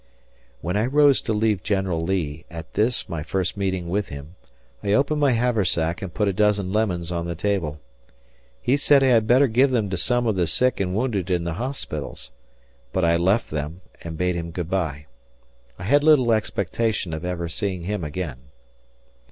When I rose to leave General Lee at this my first meeting with him, I opened my haversack and put a dozen lemons on the table. He said I had better give them to some of the sick and wounded in the hospitals; but I left them and bade him good by. I had little expectation of ever seeing him again.